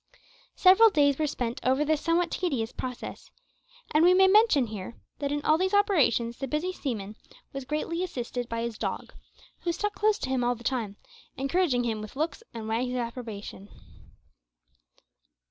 Several days were spent over this somewhat tedious process; and we may mention here, that in all these operations the busy seaman was greatly assisted by his dog, who stuck close to him all the time, encouraging him with looks and wags of approbation.